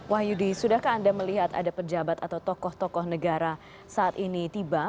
wahyudi sudahkah anda melihat ada pejabat atau tokoh tokoh negara saat ini tiba